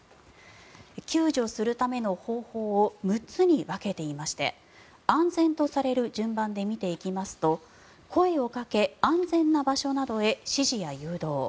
救助するための方法を６つに分けていまして安全とされる順番で見ていきますと声をかけ安全な場所などへ指示や誘導。